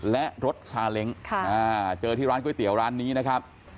และรถซาเล้งเจอที่ร้านก๋วยเตี๋ยวร้านนี้นะครับ